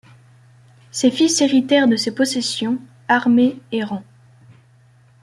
Ses fils héritèrent de ses possessions, armées et rang.